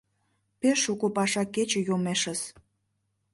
Пеш шуко паша кече йомешыс.